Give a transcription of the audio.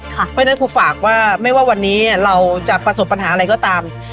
เพราะฉะนั้นครูฝากว่าไม่ว่าวันนี้เราจะประสบปัญหาอะไรก็ตาม